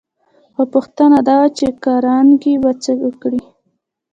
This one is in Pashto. خو پوښتنه دا وه چې کارنګي به څه وکړي